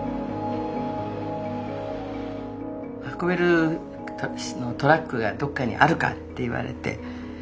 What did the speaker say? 運べるトラックがどっかにあるかって言われて。